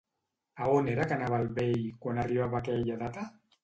A on era que anava el vell quan arribava aquella data?